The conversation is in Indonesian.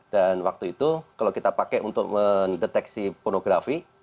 dan waktu itu kalau kita pakai untuk mendeteksi pornografi